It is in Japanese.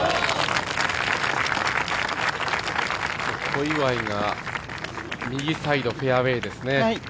小祝が右サイドフェアウエーですね。